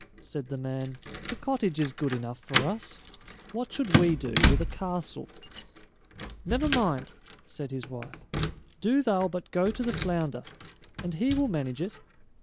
said the man; "the cottage is good enough for us; what should we do with a castle?" "Never mind," said his wife; "do thou but go to the flounder, and he will manage it."